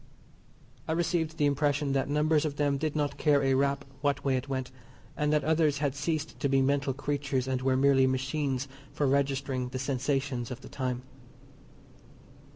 I received the impression that numbers of them did not care a rap what way it went; and that others had ceased to be mental creatures and were merely machines for registering the sensations of the time.